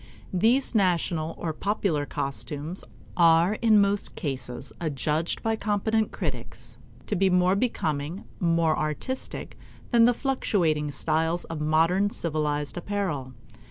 These national or popular costumes are in most cases adjudged by competent critics to be more becoming, more artistic, than the fluctuating styles of modern civilized apparel.